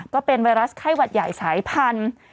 ก็เป็นไวรัสไข้หวัดใหญ่สายพันธุ์